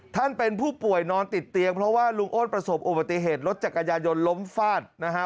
ท่านเป็นผู้ป่วยนอนติดเตียงเพราะว่าลุงอ้นประสบอุบัติเหตุรถจักรยายนล้มฟาดนะฮะ